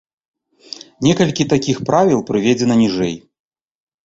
Некалькі такіх правіл прыведзена ніжэй.